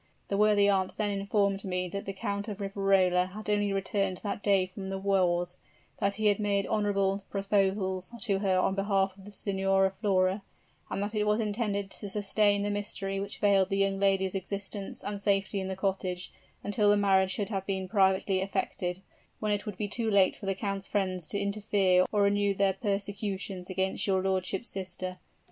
The worthy aunt then informed me that the Count of Riverola had only returned that day from the wars that he had made honorable proposals to her on behalf of the Signora Flora and that it was intended to sustain the mystery which veiled the young lady's existence and safety in the cottage, until the marriage should have been privately effected, when it would be too late for the count's friends to interfere or renew their persecutions against your lordship's sister.